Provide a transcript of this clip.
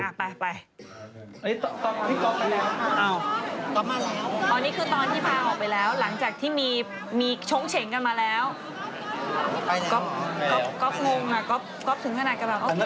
หลังจากที่มีชงเฉงกันมาแล้ว